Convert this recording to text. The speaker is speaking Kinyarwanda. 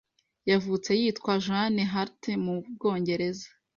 yavutse yitwa June Hart mu bwongereza